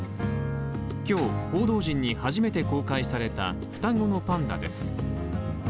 今日、報道陣に初めて公開された双子のパンダです。